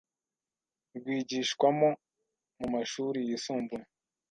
rwigishwamo mu mashuri yisumbuye